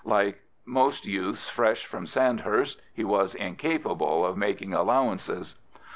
Like most youths fresh from Sandhurst, he was incapable of making allowances.